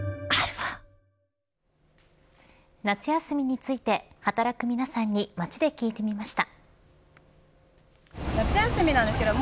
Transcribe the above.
夏休みについて働く皆さんに街で聞いてみました。